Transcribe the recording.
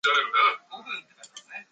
He lived in Camden, London.